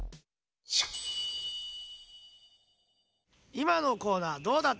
いまのコーナーどうだっ